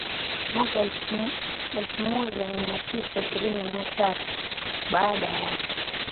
mwaka elfumoja miatisa ishirini na tatu baada ya